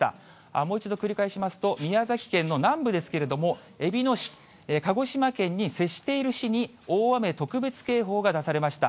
もう一度繰り返しますと、宮崎県の南部ですけれども、えびの市、鹿児島県に接している市に、大雨特別警報が出されました。